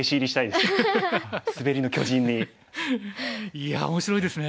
いや面白いですね。